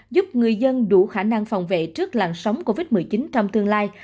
giúp người dân đủ khả năng phòng vệ trước làn sóng covid một mươi chín trong tương lai